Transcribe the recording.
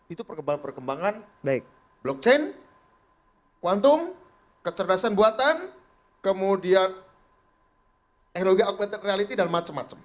itu perkembangan perkembangan blockchain kuantum kecerdasan buatan kemudian echologi augmented reality dan macam macam